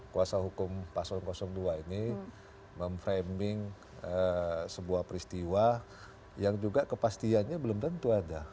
kuasa hukum paslon dua ini memframing sebuah peristiwa yang juga kepastiannya belum tentu ada